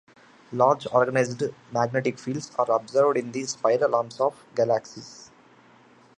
Large, organized magnetic fields are observed in the spiral arms of galaxies.